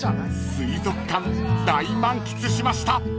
［水族館大満喫しました］